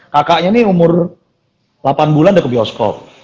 kakaknya ini umur delapan bulan udah ke bioskop